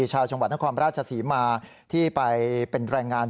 ๓ไหม้มันฝรั่ง